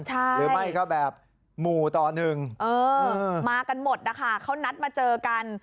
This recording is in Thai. หรือไม่ก็แบบหมู่ต่อหนึ่งมากันหมดนะคะเขานัดมาเจอกัน